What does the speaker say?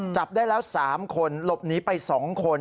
จับได้แล้ว๓คนหลบหนีไป๒คน